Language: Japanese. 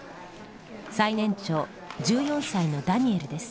最年長１４歳のダニエルです。